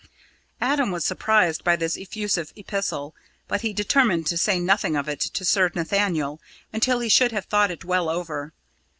Adam was surprised by this effusive epistle, but he determined to say nothing of it to Sir Nathaniel until he should have thought it well over.